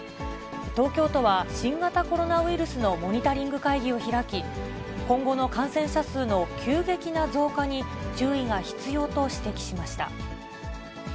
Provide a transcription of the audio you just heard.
東京都は、新型コロナウイルスのモニタリング会議を開き、今後の感染者数の急激な増加に注意が必要と指摘しました。